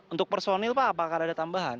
untuk personil pak apakah ada tambahan